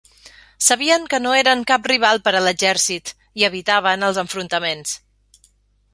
Sabien que no eren cap rival per a l'exèrcit i evitaven els enfrontaments.